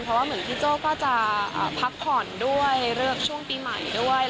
เพราะว่าเหมือนพี่โจ้ก็จะพักผ่อนด้วยเลือกช่วงปีใหม่ด้วย